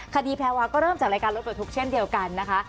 แพรวาก็เริ่มจากรายการรถปลดทุกข์เช่นเดียวกันนะคะ